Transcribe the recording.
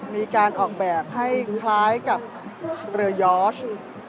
มีการออกแบบให้คล้ายกับเรือยอร์ช